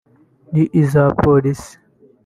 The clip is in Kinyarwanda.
n’iza polisi